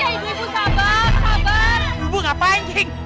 ibu ibu ngapain ceng